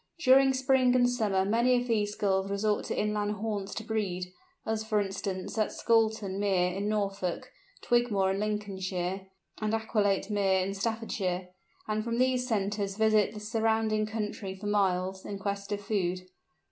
During spring and summer many of these Gulls resort to inland haunts to breed—as for instance at Scoulton Mere in Norfolk, Twigmoor in Lincolnshire, and Aqualate Mere in Staffordshire—and from these centres visit the surrounding country for miles, in quest of food.